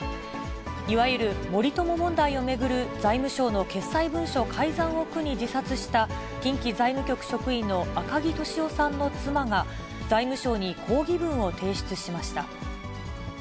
いわゆる森友問題を巡る、財務省の決裁文書改ざんを苦に自殺した、近畿財務局職員の赤木俊夫さんの妻が、財務省に抗議文を提出しました。